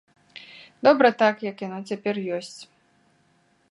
Добра так, як яно цяпер ёсць.